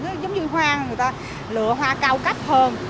nó giống như hoa người ta lựa hoa cao cấp hơn